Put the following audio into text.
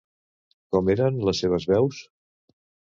Com eren les seves veus?